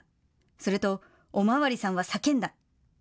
するとお巡りさんは叫んだ。